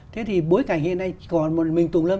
thế thì bối cảnh hiện nay còn một mình tùng lâm